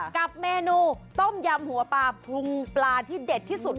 กับเมนูต้มยำหัวปลาปรุงปลาที่เด็ดที่สุด